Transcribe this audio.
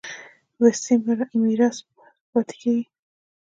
وصي میراث پاتې کېږي.